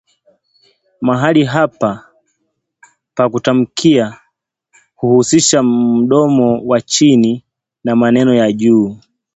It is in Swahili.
Mahali hapa pa kutamkia huhusisha mdomo wa chini na meno ya juu